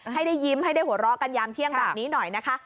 ให้ได้ยิ้มให้ได้หัวเราะกันยามเที่ยงแบบนี้หน่อยนะคะ